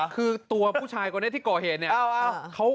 คือผู้ชายที่ก่อเห็น